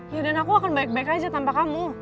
ya dan aku akan baik baik aja tanpa kamu